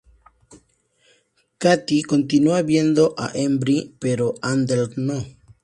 Katie continúa viendo a Embry, pero Handler no.